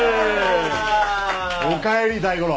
おかえり大五郎！